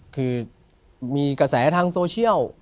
คือมีกระแสทางโซเชียล